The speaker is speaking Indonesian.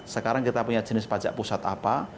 sekarang kita punya jenis pajak pusat apa